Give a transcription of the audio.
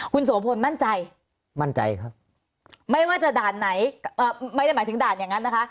คุณโสพลมั่นใจมั่นใจครับไม่ว่าจะด่านไหนไม่ได้หมายถึงด่านอย่างนั้นนะคะ